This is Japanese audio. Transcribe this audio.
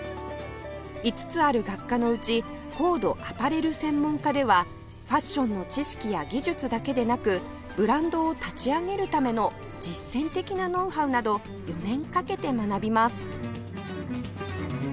５つある学科のうち高度アパレル専門科ではファッションの知識や技術だけでなくブランドを立ち上げるための実践的なノウハウなど４年かけて学びます